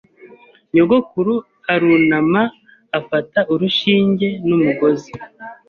Nyogokuru arunama afata urushinge n'umugozi.